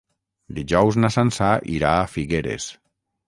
Dijous na Sança irà a Figueres.